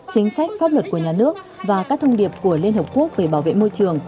chính sách pháp luật của nhà nước và các thông điệp của liên hợp quốc về bảo vệ môi trường